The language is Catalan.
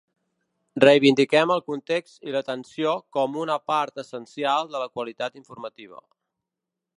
Reivindiquem el context i l’atenció com una part essencial de la qualitat informativa.